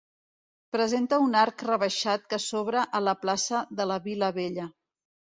Presenta un arc rebaixat que s'obre a la plaça de la Vila-Vella.